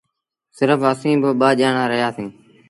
سرڦ اَسيٚݩ ٻآ ڄآڻآن رهيآ سيٚݩ۔